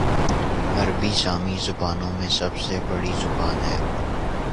عربی سامی زبانوں میں سب سے بڑی زبان ہے